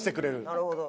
なるほど。